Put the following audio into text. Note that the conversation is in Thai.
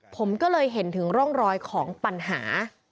ผมก็เลยเห็นถึงร่องรอยของปัญหา